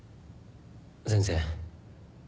全然。